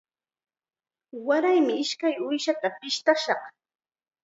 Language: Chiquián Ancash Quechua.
Waraymi ishkay uushata pishtayanqa.